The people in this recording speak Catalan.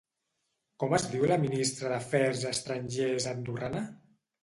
Com es diu la ministra d'Afers Estrangers andorrana?